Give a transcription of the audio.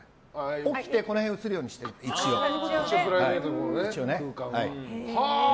起きてこの辺が映るようにしてる一応ね。